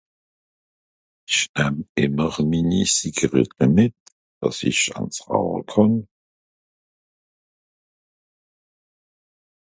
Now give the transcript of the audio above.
isch nahm ìmmer minni cigärettle mìt dàss isch eins rauche kànn